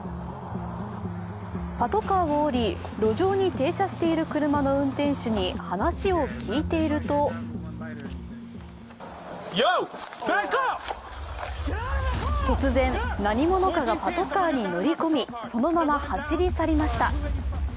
パトカーを降り、路上に停車している車の運転手に話を聞いていると突然、何者かがパトカーに乗り込みそのまま走り去りました。